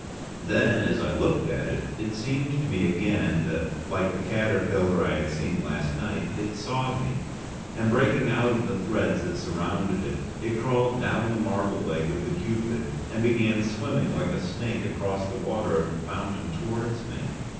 Then, as I looked at it, it seemed to me again that, like the caterpillar I had seen last night, it saw me, and breaking out of the threads that surrounded it, it crawled down the marble leg of the Cupid and began swimming like a snake across the water of the fountain towards me.